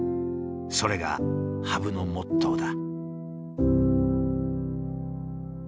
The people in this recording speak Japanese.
それが羽生のモットーだ。